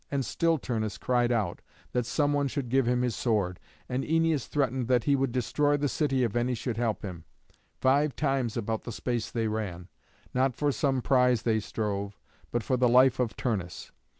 And still Turnus cried out that some one should give him his sword, and Æneas threatened that he would destroy the city if any should help him. Five times about the space they ran; not for some prize they strove, but for the life of Turnus.